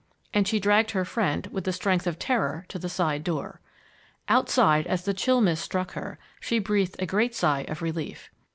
and she dragged her friend, with the strength of terror to the side door. Outside, as the chill mist struck her, she breathed a great sigh of relief.